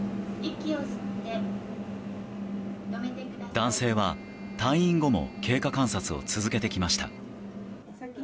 男性は退院後も経過観察を続けてきました。